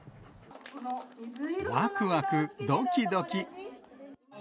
わくわくどきどき。